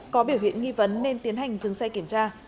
có biểu hiện nghi vấn nên tiến hành dừng xe kiểm tra